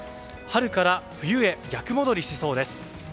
春から冬へ逆戻りしそうです。